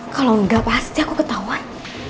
kalau enggak pasti aku ketauan